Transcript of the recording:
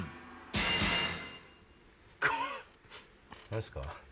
何すか？